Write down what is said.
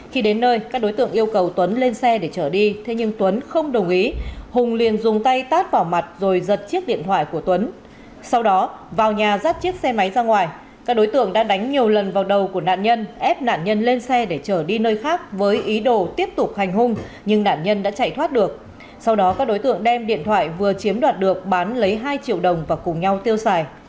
khi đến nơi các đối tượng yêu cầu tuấn lên xe để chở đi thế nhưng tuấn không đồng ý hùng liền dùng tay tát vào mặt rồi giật chiếc điện thoại của tuấn sau đó vào nhà dắt chiếc xe máy ra ngoài các đối tượng đã đánh nhiều lần vào đầu của nạn nhân ép nạn nhân lên xe để chở đi nơi khác với ý đồ tiếp tục hành hung nhưng nạn nhân đã chạy thoát được sau đó các đối tượng đem điện thoại vừa chiếm đoạt được bán lấy hai triệu đồng và cùng nhau tiêu xài